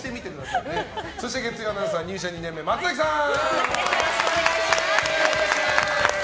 そして月曜アナウンサー入社２年目、松崎さん。